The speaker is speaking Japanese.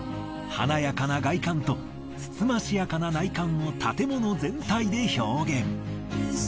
華やかな外観とつつましやかな内観を建物全体で表現。